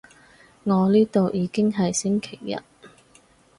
我呢度已經係星期日